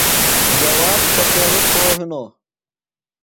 جواد کتیݨو پھو ہِنوۡ ؟